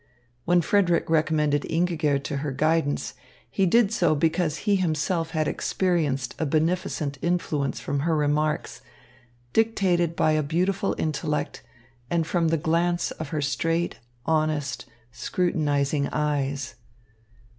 When Frederick recommended Ingigerd to her guidance, he did so because he himself had experienced a beneficent influence from her remarks, dictated by a beautiful intellect, and from the glance of her straight, honest, scrutinising eyes.